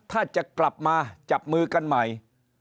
ถ้าจะกลับมาจับมือกันใหม่